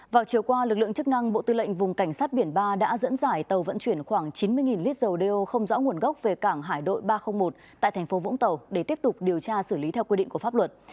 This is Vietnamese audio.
vào chiều qua lực lượng chức năng bộ tư lệnh vùng cảnh sát biển ba đã dẫn dải tàu vận chuyển khoảng chín mươi lít dầu đeo không rõ nguồn gốc về cảng hải đội ba trăm linh một tại thành phố vũng tàu để tiếp tục điều tra xử lý theo quy định của pháp luật